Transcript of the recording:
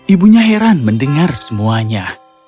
ibunya heran mendengar semuanya